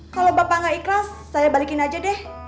kalau bapak nggak ikhlas saya balikin aja deh